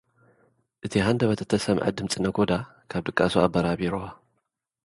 እቲ ሃንደበት እተሰምዐ ድምጺ ነጎዳ፡ ካብ ድቃሱ ኣበራቢርዎ።